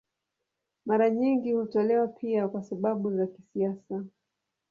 Mara nyingi hutolewa pia kwa sababu za kisiasa.